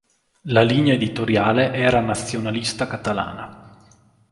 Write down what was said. La linea editoriale era nazionalista catalana.